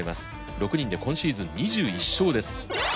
６人で今シーズン２１勝です。